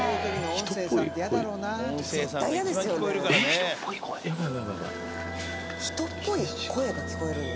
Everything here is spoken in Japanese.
人っぽい声が聞こえるの？